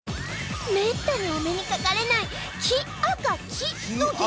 めったにお目にかかれない黄赤黄の激